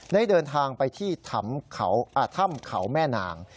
ได้เดินทางไปที่ถ้ำเขาแม่นาง